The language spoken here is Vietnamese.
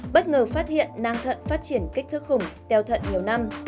bất ngờ phát hiện nang thận phát triển kích thước khủng thận nhiều năm